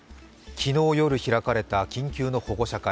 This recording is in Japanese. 昨日夜開かれた緊急の保護者会。